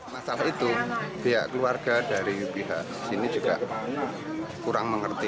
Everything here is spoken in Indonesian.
masalah itu pihak keluarga dari pihak sini juga kurang mengerti